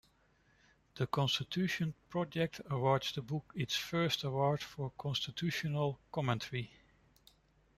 The Constitution Project awarded the book its first Award for Constitutional Commentary.